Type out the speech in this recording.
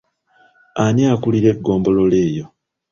Ani akulira eggombolola eyo?